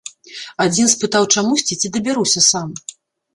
Адзін спытаў чамусьці, ці дабяруся сам.